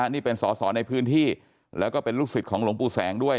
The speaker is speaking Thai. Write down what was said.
นี่เป็นสอสอในพื้นที่แล้วก็เป็นลูกศิษย์ของหลวงปู่แสงด้วย